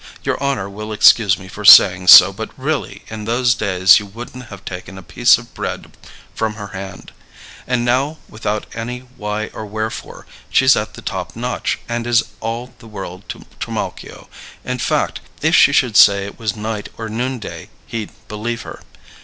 Your honor will excuse me for saying so, but really in those days you wouldn't have taken a piece of bread from her hand. And now, without any why or wherefore, she's at the top notch and is all the world to Trimalchio in fact, if she should say it was night at noonday, he'd believe her.